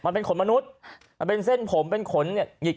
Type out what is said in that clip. มันเป็นขนพุสและเป็นเส้นผมเป็นขนหงิก